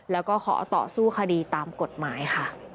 แล้วก็ขอต่อสู้คดีตามกฎหมายค่ะ